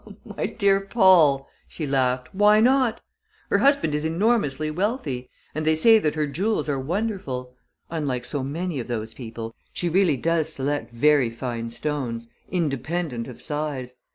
"My dear Paul," she laughed, "why not? Her husband is enormously wealthy and they say that her jewels are wonderful. Unlike so many of those people, she really does select very fine stones, independent of size.